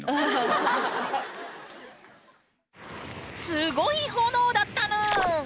すごい炎だったぬん！